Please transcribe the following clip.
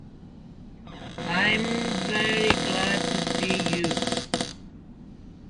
I’m very glad to see you.